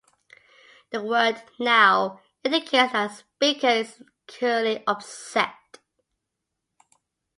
The word "now" indicates that the speaker is currently upset.